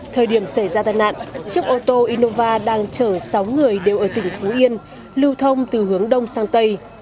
thời điểm xảy ra tai nạn chiếc ô tô innova đang chở sáu người đều ở tỉnh phú yên lưu thông từ hướng đông sang tây